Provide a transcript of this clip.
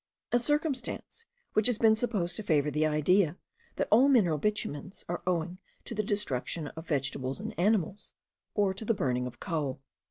a circumstance which has been supposed to favour the idea that all mineral bitumens are owing to the destruction of vegetables and animals, or to the burning of coal.